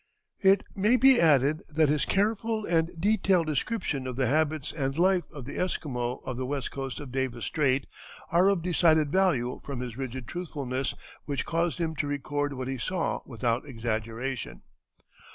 It may be added that his careful and detailed description of the habits and life of the Esquimaux of the west coast of Davis Strait are of decided value from his rigid truthfulness, which caused him to record what he saw without exaggeration.